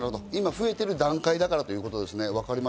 今、増えている段階だからということですね。